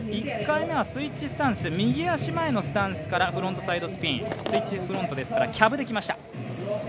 １回目はスイッチスタンス右足前のスタンスからフロントサイドスピン、スイッチスピンですからキャブできました。